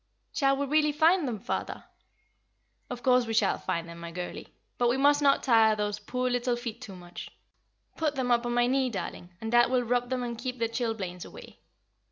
"Shall we really find them, father?" "Of course we shall find them, my girlie; but we must not tire those poor little feet too much. Put them up on my knee, darling, and dad will rub them and keep the chilblains away."